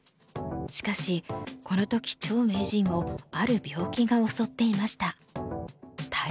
しかしこの時張名人をある病気が襲っていました。